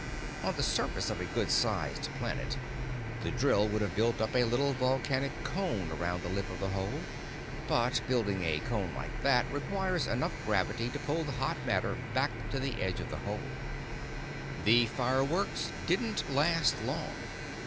On the surface of a good sized planet, the drill would have built up a little volcanic cone around the lip of the hole, but building a cone like that requires enough gravity to pull the hot matter back to the edge of the hole. The fireworks didn't last long.